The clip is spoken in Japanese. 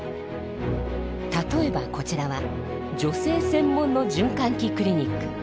例えばこちらは女性専門の循環器クリニック。